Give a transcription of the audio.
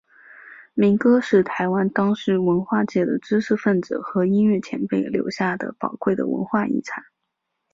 民歌是台湾当时文化界的知识份子和音乐前辈留下的宝贵的文化遗产。